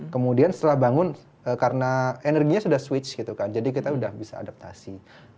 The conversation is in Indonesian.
kemudian setelah bangun karena energinya sudah switch gitu kan jadi kita sudah bisa adaptasi